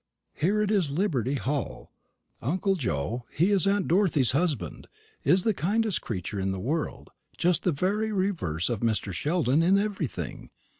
Here it is Liberty Hall. Uncle Joe he is aunt Dorothy's husband is the kindest creature in the world, just the very reverse of Mr. Sheldon in everything.